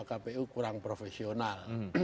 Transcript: kpu kurang profesional